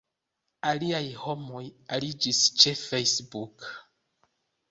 Aliaj homoj aliĝis ĉe Facebook.